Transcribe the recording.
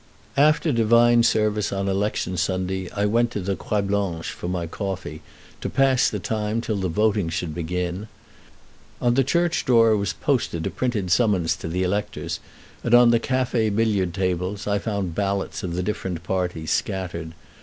After divine service on election Sunday I went to the Croix Blanche for my coffee, to pass the time till the voting should begin. On the church door was posted a printed summons to the electors, and on the café billiard tables I found ballots of the different parties scattered.